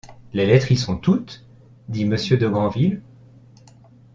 Les lettres y sont toutes ? dit monsieur de Grandville.